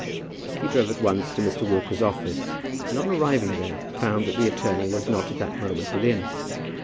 He drove at once to Mr. Walker's office, and on arriving there found that the attorney was not at that moment within.